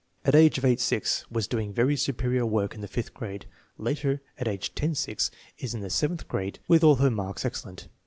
At age of 8 6 was doing very superior work in the fifth grade. Later, at age of 10 6, is in the seventh grade with all her marks excellent.